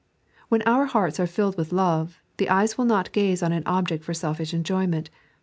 When our hearts are filled with love, the eyes will not gaze on an object for selfish enjoyment.